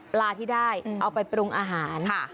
ปลาที่ได้เอาไปปรุงอาหาร